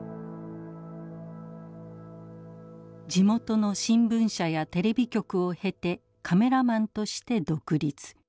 地元の新聞社やテレビ局を経てカメラマンとして独立。